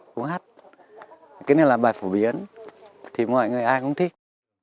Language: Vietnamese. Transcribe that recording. cái này là bài phổ biến thì mọi người ai cũng thích